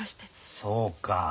そうか。